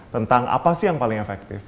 tentang apa sih yang paling efektif